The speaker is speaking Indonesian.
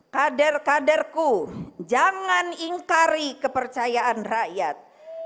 kader kaderku jangan ingkari kepercayaan rakyat